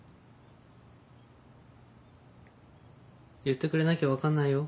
言ってくれなきゃわかんないよ？